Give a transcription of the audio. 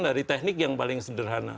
dari teknik yang paling sederhana